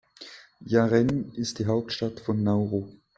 Yaren ist die Hauptstadt von Nauru.